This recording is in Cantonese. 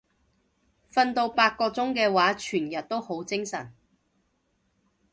瞓到八個鐘嘅話全日都好精神